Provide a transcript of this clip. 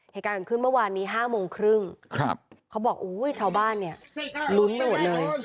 เหตุการณ์เกิดขึ้นเมื่อวานนี้๕โมงครึ่งเขาบอกอุ้ยชาวบ้านเนี่ยลุ้นไปหมดเลย